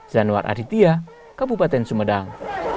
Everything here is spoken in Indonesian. zanwar aditya kabupaten sumedang